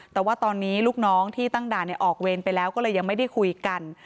แต่ว่าตอนนี้ลูกน้องที่ตั้งด่านออกเวรไปแล้วก็เลยยังไม่ได้คุยกัน